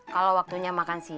kalau waktunya makan sendiri